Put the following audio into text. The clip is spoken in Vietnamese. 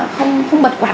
không không bật quạt